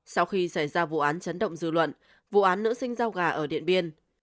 sau khi xảy ra vụ án chấn động dư luận vụ án nữ sinh giao gà ở điện biên